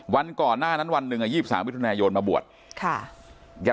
วันก่อนหน้านั้นวันหนึ่งอ่ะยี่สิบสามวิทยุนายนมาบวชค่ะ